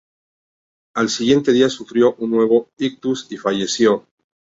Al siguiente día sufrió un nuevo ictus y falleció.